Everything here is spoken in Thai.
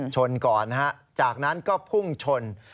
ชนก่อนนะฮะจากนั้นก็พุ่งชน